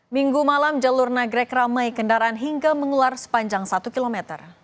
minggu malam jalur nagrek ramai kendaraan hingga mengular sepanjang satu km